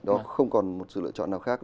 đó không còn một sự lựa chọn nào khác